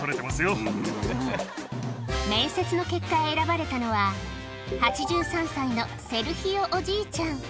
面接の結果、選ばれたのは、８３歳のセルヒオおじいちゃん。